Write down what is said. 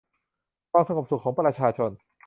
ความสงบสุขของประชาชน